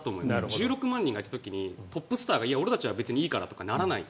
１６万人がいた時にトップスターたちが俺たちはいいやとならない。